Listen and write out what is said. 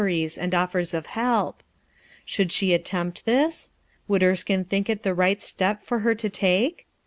tie* and offers of help. Should *hc attempt thi*? Would Kn kino think It the right step for her to take?